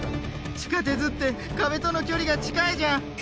地下鉄って壁との距離が近いじゃん。